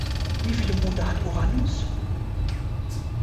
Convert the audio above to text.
Wie viele Monde hat Uranus?